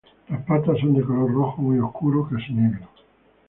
Las patas son de color rojo muy oscuro, casi negro.